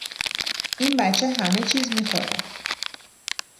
این بچه همه چیز میخورد.